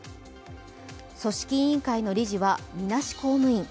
組織委員会の理事はみなし公務員。